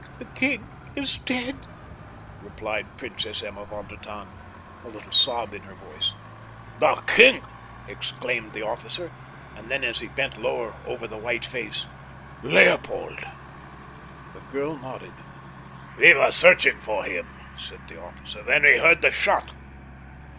"The king is dead," replied the Princess Emma von der Tann, a little sob in her voice. "The king!" exclaimed the officer; and then, as he bent lower over the white face: "Leopold!" The girl nodded. "We were searching for him," said the officer, "when we heard the shot."